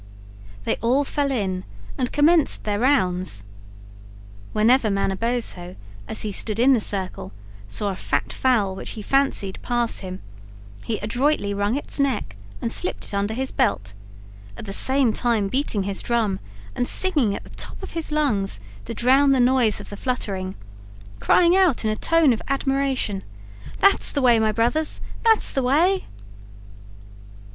They all fell in and commenced their rounds. Whenever Manabozho, as he stood in the circle, saw a fat fowl which he fancied pass him, he adroitly wrung its neck and slipped it under his belt, at the same time beating his drum and singing at the top of his lungs to drown the noise of the fluttering, crying out in a tone of admiration: "That's the way, my brothers; that's the way."